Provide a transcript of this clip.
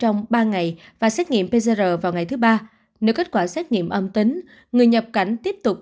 trong ba ngày và xét nghiệm pcr vào ngày thứ ba nếu kết quả xét nghiệm âm tính người nhập cảnh tiếp tục